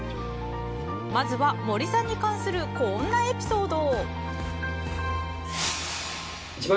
まずは、森さんに関するこんなエピソード。